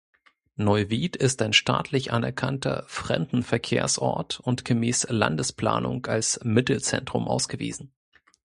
Neuwied ist ein staatlich anerkannter Fremdenverkehrsort und gemäß Landesplanung als Mittelzentrum ausgewiesen.